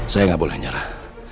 saya nggak boleh menyerah